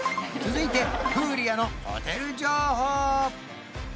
続いてプーリアのホテル情報！